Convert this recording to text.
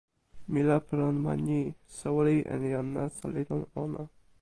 mi lape lon ma ni: soweli en jan nasa li lon ona.